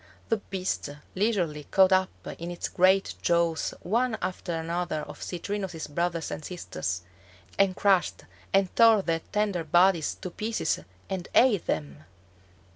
The beast leisurely caught up in its great jaws one after another of Citrinus's brothers and sisters, and crushed and tore their tender bodies to pieces and ate them!